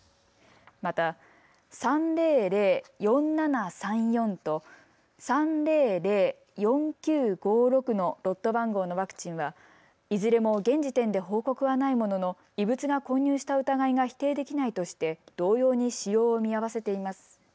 また３００４７３４と３００４９５６のロット番号のワクチンはいずれも現時点で報告はないものの異物が混入した疑いが否定できないとして同様に使用を見合わせています。